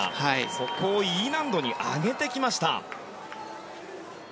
そこをＥ難度に上げてきました。